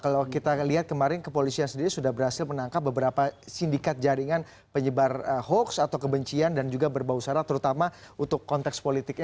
kalau kita lihat kemarin kepolisian sendiri sudah berhasil menangkap beberapa sindikat jaringan penyebar hoax atau kebencian dan juga berbau sarah terutama untuk konteks politiknya